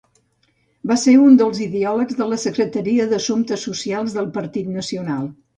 Va ser un dels ideòlegs de la Secretaria d'Assumptes Socials del Partit Nacional.